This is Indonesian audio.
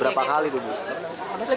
berapa kali tuh